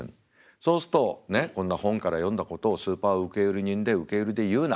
そうするとねっ「こんな本から読んだことをスーパー受け売り人で受け売りで言うな。